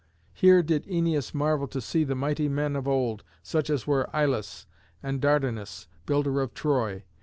Here did Æneas marvel to see the mighty men of old, such as were Ilus, and Dardanus, builder of Troy.